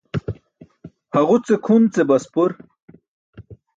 Haġuce kʰun ce baspur.